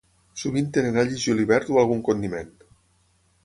Sovint tenen all i julivert o algun condiment.